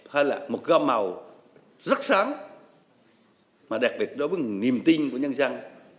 hay là một gom màu rất sáng mà đặc biệt đối với niềm tin của nhân dân